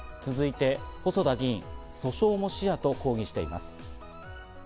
続いて、細田議員が訴訟も視野と抗議しています。